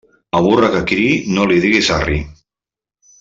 A burra que criï, no li diguis arri.